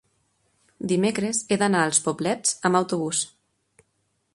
Dimecres he d'anar als Poblets amb autobús.